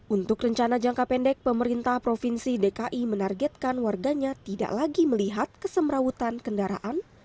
untuk rencana jangka pendek pemerintah provinsi dki menargetkan warganya tidak lagi melihat kesemrawutan kendaraan